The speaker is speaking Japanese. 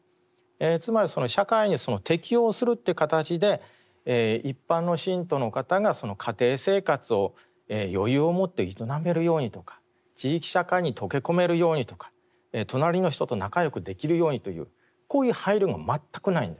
つまり社会に適応するっていう形で一般の信徒の方が家庭生活を余裕をもって営めるようにとか地域社会に溶け込めるようにとか隣の人と仲よくできるようにというこういう配慮が全くないんです。